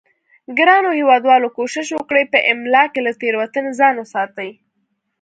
ګرانو هیوادوالو کوشش وکړئ په املا کې له تیروتنې ځان وساتئ